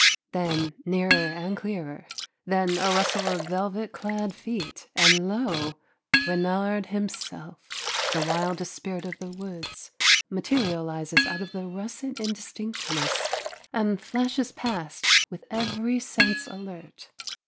Then nearer and clearer, then a rustle of velvet clad feet, and lo, reynard himself, the wildest spirit of the woods, materializes out of the russet indistinctness and flashes past, with every sense alert.